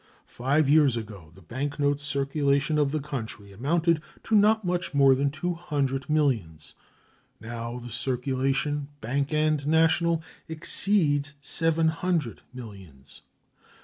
Five years ago the bank note circulation of the country amounted to not much more than two hundred millions; now the circulation, bank and national, exceeds seven hundred millions.